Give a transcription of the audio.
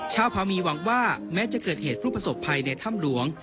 ชาวพามีหวังว่าแม้จะเกิดเหตุผู้ประสบภัยในถ้ำหลวง